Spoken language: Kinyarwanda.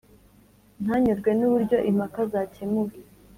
ntanyurwe n uburyo impaka zakemuwe